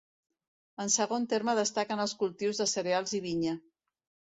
En segon terme destaquen els cultius de cereals i vinya.